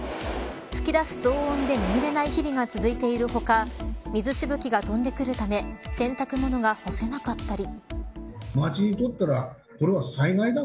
噴き出す騒音で眠れない日々が続いている他水しぶきが飛んでくるため洗濯物が干せなかったり。